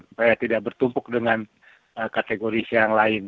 supaya tidak bertumpuk dengan kategori yang lain